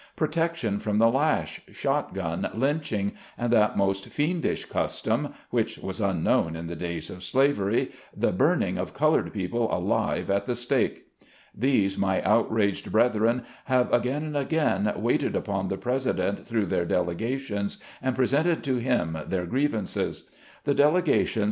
Protection from the lash, shot gun, lynching, and that most fiendish custom — which was unknown in the days of slavery — the burning of colored people alive at the stake. These, my outraged brethren, have again and again waited upon the President through their delegations, and presented to him their grievances. The delegations RETROSPECT.